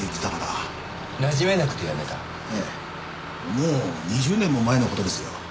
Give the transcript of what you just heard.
もう２０年も前の事ですよ。